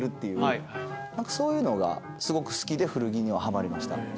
何かそういうのがすごく好きで古着にはハマりました。